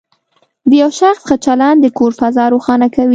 د یو شخص ښه چلند د کور فضا روښانه کوي.